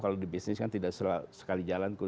kalau di bisnis kan tidak sekali jalan tuh